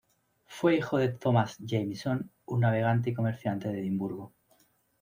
Fue hijo de Thomas Jameson, un navegante y comerciante de Edimburgo.